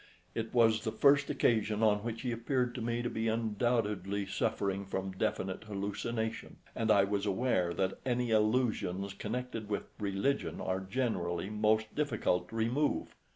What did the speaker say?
It was the first occasion on which he appeared to me to be undoubtedly suffering from definite hallucination, and I was aware that any illusions connected with religion are generally most difficult to remove.